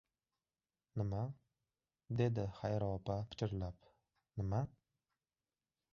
— Nima? — dedi Xayri opa pichirlab. — Nima?